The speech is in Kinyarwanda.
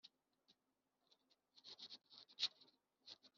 Ikigize icya Mugabo-umwe.